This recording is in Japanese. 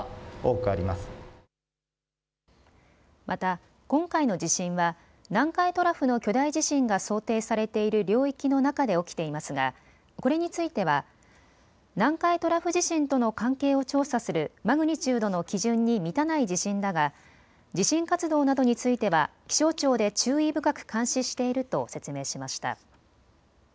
また今回の地震は南海トラフの巨大地震が想定されている領域の中で起きていますがこれについては南海トラフ地震との関係を調査するマグニチュードの基準に満たない地震だが地震活動などについては気象庁で注意深く監視していると説明しました。